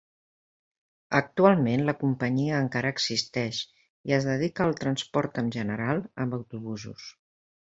Actualment la companyia encara existeix i es dedica al transport en general amb autobusos.